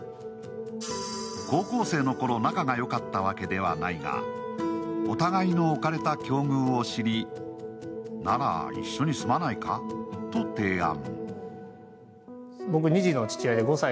高校生のころ、仲がよかったわけではないが、お互いの置かれた境遇を知り、なら、一緒に住まないかと提案。